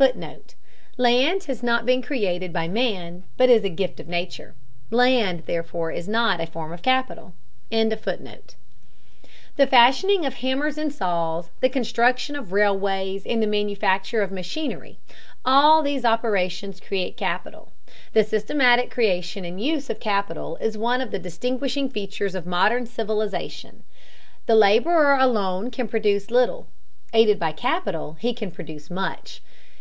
[Footnote: Land has not been created by man but is a gift of Nature. Land, therefore, is not a form of capital.] The fashioning of hammers and saws, the construction of railways, and the manufacture of machinery, all these operations create capital. The systematic creation and use of capital is one of the distinguishing features of modern civilization. The laborer alone can produce little; aided by capital he can produce much.